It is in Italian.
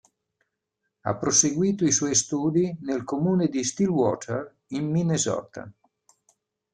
Ha proseguito i suoi studi nel comune di Stillwater in Minnesota.